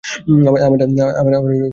আমার চিঠিটা ফেরত দেবে, প্লিজ?